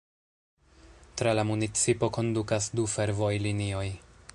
Tra la municipo kondukas du fervojlinioj.